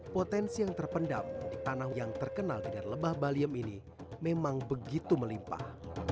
potensi yang terpendam di tanah yang terkenal dengan lebah baliem ini memang begitu melimpah